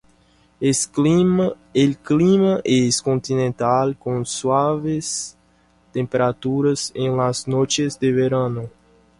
El clima es continental con suaves temperaturas en las noches de verano.